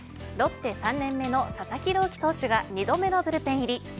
ロッテ３年目の佐々木朗希投手が２度目のブルペン入り。